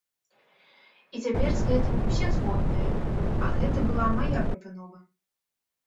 І цяпер з гэтым усе згодныя, а гэта была мая прапанова.